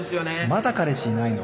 まだ彼氏いないの？